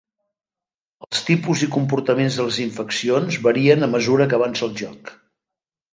Els tipus i comportaments de les infeccions varien a mesura que avança el joc.